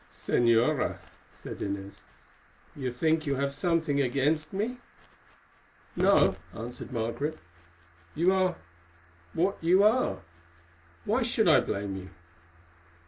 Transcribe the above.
"Señora," said Inez, "you think that you have something against me." "No," answered Margaret, "you are—what you are; why should I blame you?"